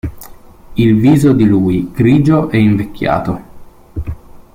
Il viso di lui grigio e invecchiato.